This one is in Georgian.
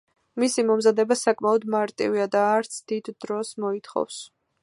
მისი მომზადება საკმაოდ მარტივია და არც დიდ დროს მოითხოვს.